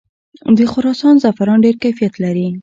د خراسان زعفران ډیر کیفیت لري.